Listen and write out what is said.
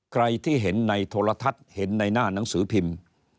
ใครที่เห็นในโทรทัศน์เห็นในหน้าหนังสือพิมพ์